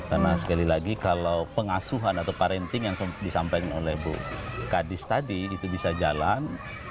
karena sekali lagi kalau pengasuhan atau parenting yang disampaikan oleh bu kadis tadi itu bisa jalan